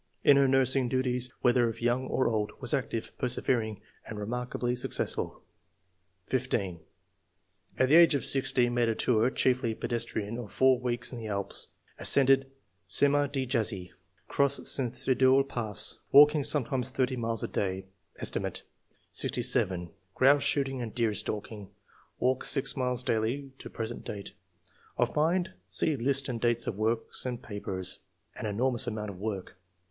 In her nursing duties, whether of young or old, was active, persevering, and re markably successful.'' 15. At the age of sixty made a tour, chiefly pedestrian, of four weeks in the Alps ; ascended Cima di Jazi ; crossed St. Th^odule Pass, walking sometimes thirty miles a day ; set. 67, grouse shooting and deer stalking. Walk six miles daily to present date. Of mind — See list and dates of works and papers [an enormous amount of work].